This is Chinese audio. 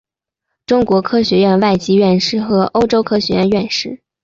中国科学院外籍院士和欧洲科学院院士。